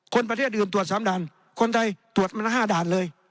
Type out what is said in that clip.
ประเทศอื่นตรวจ๓ด่านคนไทยตรวจมาละ๕ด่านเลย